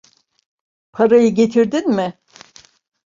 Parayı getirdin mi?